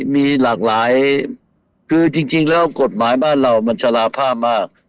มีหลากหลายคือจริงแล้วกฎหมายบ้านเรามันชะลาภาพมาก